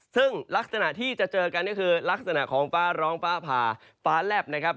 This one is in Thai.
ซึ่งลักษณะที่จะเจอกันก็คือลักษณะของฟ้าร้องฟ้าผ่าฟ้าแลบนะครับ